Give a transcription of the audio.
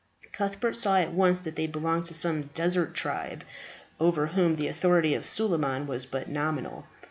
Cuthbert saw at once that they belonged to some desert tribe over whom the authority of Suleiman was but nominal.